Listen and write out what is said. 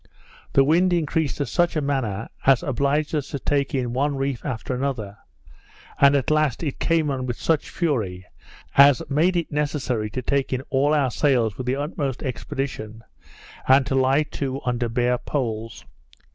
The wind increased in such a manner, as obliged us to take in one reef after another; and, at last, it came on with such fury, as made it necessary to take in all our sails with the utmost expedition, and to lie to under bare poles.